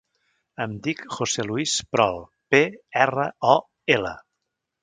Em dic José luis Prol: pe, erra, o, ela.